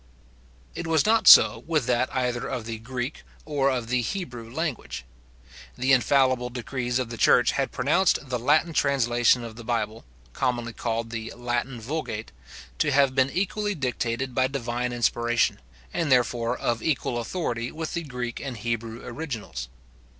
It was not so with that either of the Greek or of the Hebrew language. The infallible decrees of the church had pronounced the Latin translation of the Bible, commonly called the Latin Vulgate, to have been equally dictated by divine inspiration, and therefore of equal authority with the Greek and Hebrew originals.